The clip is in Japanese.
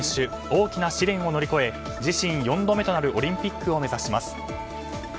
大きな試練を乗り越え自身４度目となるオリンピックを目指します。